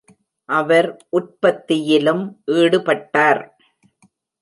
அவர் உற்பத்தியிலும் ஈடுபட்டார்.